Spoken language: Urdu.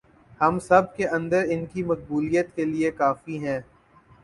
ہم سب کے اندر ان کی مقبولیت کے لئے کافی ہیں